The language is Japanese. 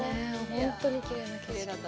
本当にきれいな景色でした。